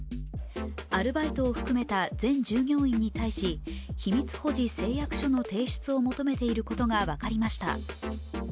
アルバイトを含めた全従業員に対し秘密保持誓約書の提出を求めていることが分かりました。